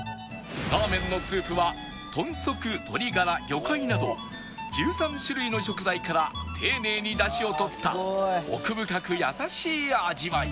ラーメンのスープは豚足鶏ガラ魚介など１３種類の食材から丁寧にダシをとった奥深く優しい味わい